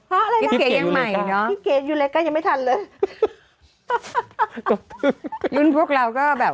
พี่เกดยังใหม่เนาะพี่เกดยูเลก้ายังไม่ทันเลยยุ่นพวกเราก็แบบ